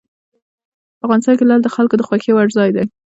افغانستان کې لعل د خلکو د خوښې وړ ځای دی.